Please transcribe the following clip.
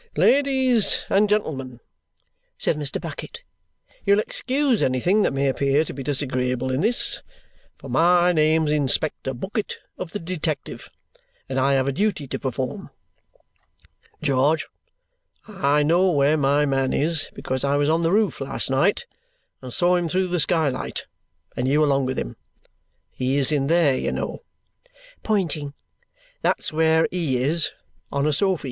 "Ladies and gentlemen," said Mr. Bucket, "you'll excuse anything that may appear to be disagreeable in this, for my name's Inspector Bucket of the Detective, and I have a duty to perform. George, I know where my man is because I was on the roof last night and saw him through the skylight, and you along with him. He is in there, you know," pointing; "that's where HE is on a sofy.